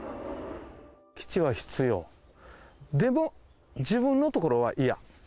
基地は必要、でも自分のところは嫌。